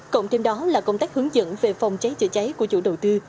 cộng thêm đó là công tác hướng dẫn về phòng cháy chữa cháy của chủ đầu tư